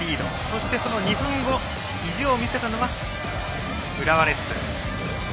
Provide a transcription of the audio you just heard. そして、その２分後意地を見せたのが浦和レッズ。